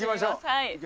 はい。